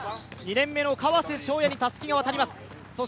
２年目の川瀬翔矢にたすきが渡ります。